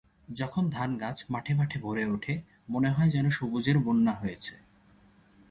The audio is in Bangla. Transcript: যখন ধানগাছ মাঠে মাঠে ভরে ওঠে মনে হয় যেন সবুজের বন্যা হয়েছে।